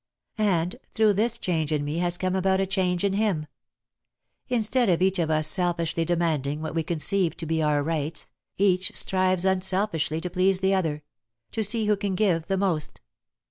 And, through this change in me has come about a change in him. Instead of each of us selfishly demanding what we conceive to be our 'rights,' each strives unselfishly to please the other to see who can give the most.